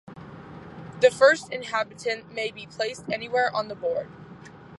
The first inhabitant may be placed anywhere on the board.